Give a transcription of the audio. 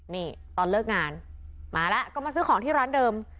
นี่ตอนเลิกงานมาแล้วก็มาซื้อของที่ร้านเดิม